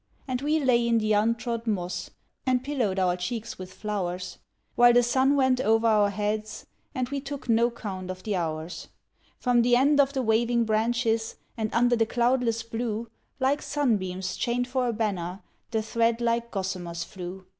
And we lay in the untrod moss and pillowed our cheeks with flowers, While the sun went over our heads, and we took no count of the hours; From the end of the waving branches and under the cloudless blue Like sunbeams chained for a banner the thread like gossamers flew.